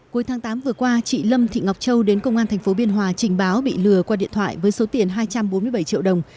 cuối tháng tám vừa qua chị lâm thị ngọc châu đến công an tp biên hòa trình báo bị lừa qua điện thoại với số tiền hai trăm bốn mươi bảy triệu đồng